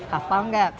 kapal enggak tujuh belas